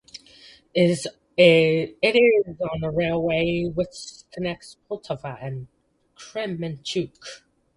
It is on the railway which connects Poltava and Kremenchuk.